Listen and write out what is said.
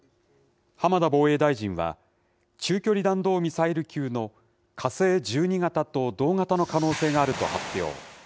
浜田防衛大臣は、中距離弾道ミサイル級の火星１２型と同型の可能性があると発表。